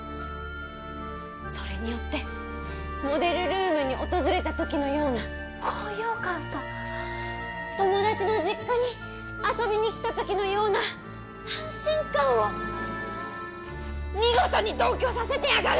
それによってモデルルームに訪れたときのような高揚感と友達の実家に遊びにきたときのような安心感を見事に同居させてやがる！